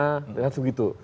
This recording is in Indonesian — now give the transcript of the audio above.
ya langsung begitu